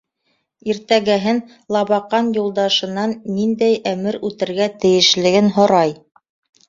Иртәгеһен Лабаҡан юлдашынан ниндәй әмер үтәргә тейешлеген һорай.